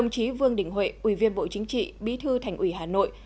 trương đình huệ ủy viên bộ chính trị bí thư thành ủy hà nội